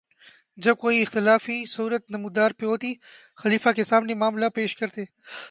جب کوئی اختلافی صورت نمودار ہوتی، خلیفہ کے سامنے معاملہ پیش کرتے